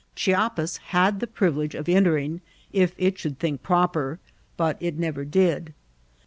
Chiapas had the privilege of entering if it should think i»oper, but it never did.